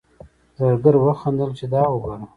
زرګر وخندل چې دا وګوره.